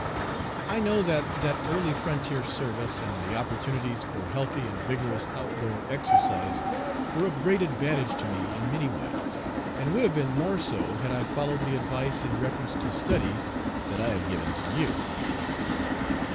I know that that early frontier service and the opportunities for healthy and vigorous out door exercise were of great advantage to me in many ways, and would have been more so had I followed the advice in reference to study that I have given to you.